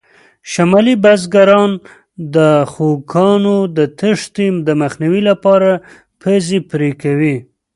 شمالي بزګران د خوکانو د تېښتې د مخنیوي لپاره پزې پرې کوي.